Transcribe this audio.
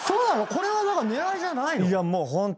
これは狙いじゃないの？